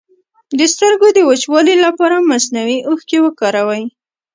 د سترګو د وچوالي لپاره مصنوعي اوښکې وکاروئ